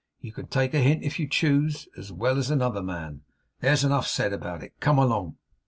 You can take a hint, if you choose as well as another man. There's enough said about it. Come along!